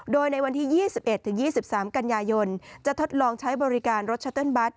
โดยในวันที่๒๑๒๓กันยายนจะทดลองใช้บริการรถชัตเติ้ลบัตร